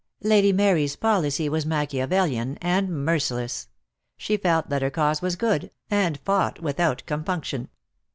Lady Mary's policy was Machiavelian and merciless. She felt that her cause was good, and fought without compunction.